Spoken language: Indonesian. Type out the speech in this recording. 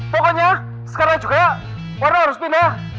pokoknya sekarang juga orang harus pindah